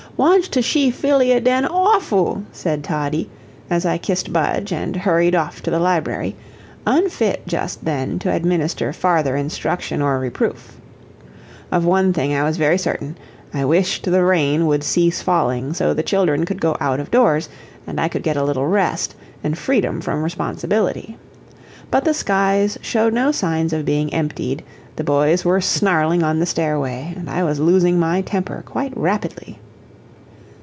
"Wantsh to shee Phillie aden awfoo," said Toddie, as I kissed Budge and hurried off to the library, unfit just then to administer farther instruction or reproof. Of one thing I was very certain I wished the rain would cease falling, so the children could go out of doors, and I could get a little rest, and freedom from responsibility. But the skies showed no signs of being emptied, the boys were snarling on the stairway, and I was losing my temper quite rapidly.